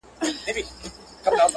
چي هم ما هم مي ټبر ته یې منلی٫